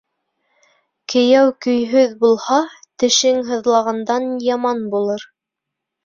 Кейәү көйһөҙ булһа, тешең һыҙлағандан яман булыр.